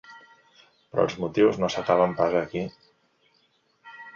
Però els motius no s’acaben pas aquí.